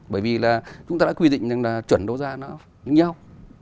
bởi vì là chúng ta đã quy định rằng là chuẩn đối ra nó đúng nhau